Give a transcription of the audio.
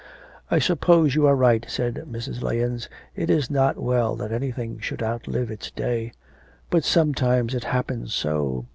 'I suppose you are right,' said Mrs. Lahens. 'It is not well that anything should outlive its day. But sometimes it happens so.